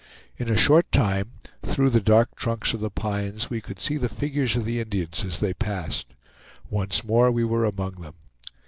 In a short time, through the dark trunks of the pines, we could see the figures of the Indians as they passed. Once more we were among them.